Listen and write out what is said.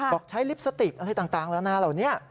บอกว่าใช้ลิปสติกอะไรต่างแล้วนะเหรอ